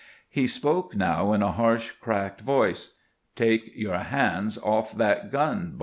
He spoke now in a harsh, cracked voice. "Take your hand off that gun, Barclay."